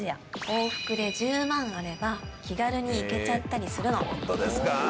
往復で１０万あれば気軽に行けちゃったりするの。